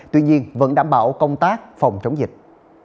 tuy nhiên vẫn đảm bảo công tác phòng chống dịch